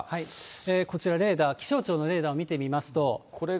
こちら、レーダー、気象庁のレーダーを見てみますと。